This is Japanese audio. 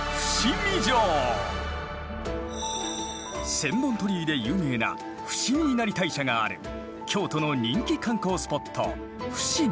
千本鳥居で有名な伏見稲荷大社がある京都の人気観光スポット伏見。